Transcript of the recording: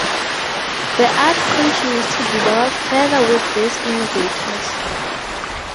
The art continues to develop further with these innovators.